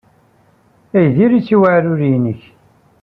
Aya diri-t i uɛrur-nnek.